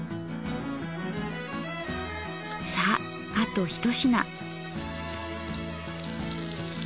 さああと一品。